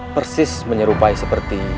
persis menyerupai seperti